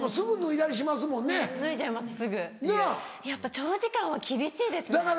やっぱ長時間は厳しいですね。